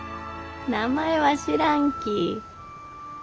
名前は知らんき。